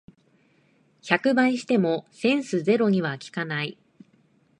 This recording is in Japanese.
百倍してもセンスゼロには効かない